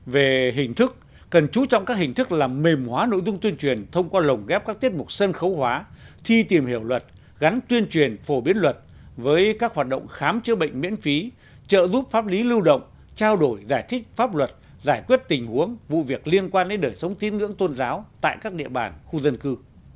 về hình thức cần chú trọng các hình thức làm mềm hóa nội dung tuyên truyền thông qua lồng ghép các tiết mục sân khấu hóa thi tìm hiểu luật gắn tuyên truyền phổ biến luật với các hoạt động khám chữa bệnh miễn phí trợ giúp pháp lý lưu động trao đổi giải thích pháp luật giải quyết tình huống vụ việc liên quan đến đời sống tín ngưỡng tôn giáo tại các địa bàn khu dân cư